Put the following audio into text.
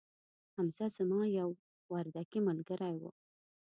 حمزه زما یو وردکې ملګري وو